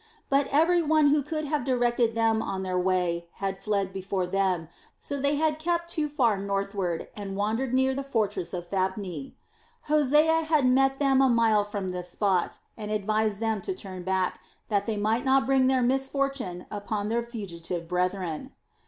But every one who could have directed them on their way had fled before them, so they had kept too far northward and wandered near the fortress of Thabne. Hosea had met them a mile from this spot and advised them to turn back, that they might not bring their misfortune upon their fugitive brethren.